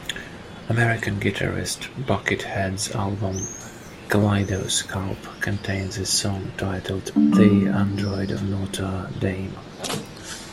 American guitarist Buckethead's album "Kaleidoscalp" contains a song titled "The Android of Notre Dame".